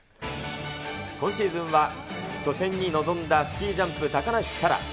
今シーズンは初戦に臨んだスキージャンプ、高梨沙羅。